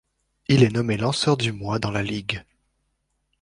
Il est nommé lanceur du mois dans la ligue.